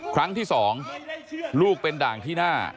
ครั้งที่๒ลูกเป็นด่างที่หน้า